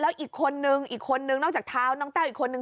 อีกคนนึงอีกคนนึงนอกจากเท้าน้องแต้วอีกคนนึง